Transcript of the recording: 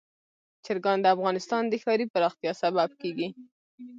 چرګان د افغانستان د ښاري پراختیا سبب کېږي.